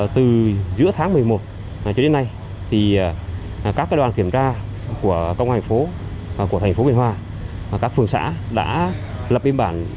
từ giữa tháng một mươi một đến nay các đoàn kiểm tra của công an phố thành phố biên hòa các phường xã đã lập biên bản